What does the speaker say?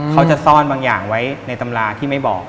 เขาจะซ่อนบางอย่างไว้ในตำราที่ไม่บอก